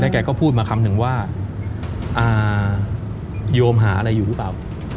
แล้วแกก็พูดมาคำถึงว่าอ่าโยมหาอะไรอยู่หรือเปล่าอืม